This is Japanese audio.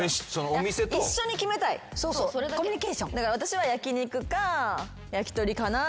私は焼き肉か焼き鳥かな。